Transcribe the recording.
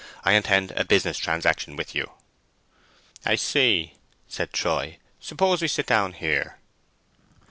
I intend a business transaction with you." "I see," said Troy. "Suppose we sit down here."